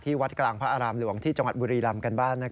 วัดกลางพระอารามหลวงที่จังหวัดบุรีรำกันบ้าง